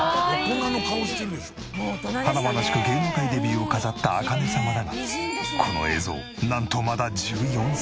華々しく芸能界デビューを飾った茜様だがこの映像なんとまだ１４歳。